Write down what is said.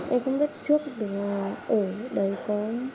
em không biết trước ở đấy có